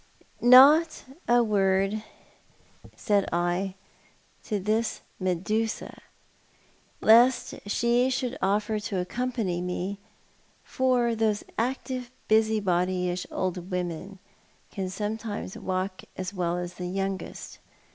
Not a word said I to this Medusa, lest she should offer to accompany me, for these active busybodyish old women can sometimes walk as well as the youngest.